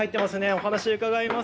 お話を伺います。